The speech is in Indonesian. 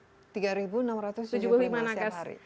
itu tiga enam ratus tujuh puluh lima setiap hari